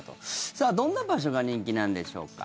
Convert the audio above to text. さあ、どんな場所が人気なんでしょうか？